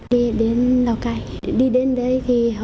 đi đến lào cai đi đến đấy thì họ bán mình thôi